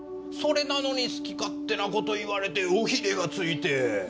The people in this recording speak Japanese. それなのに好き勝手なこと言われて尾ひれがついて。